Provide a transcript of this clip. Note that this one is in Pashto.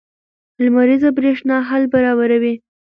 لمریزه برېښنا حل برابروي.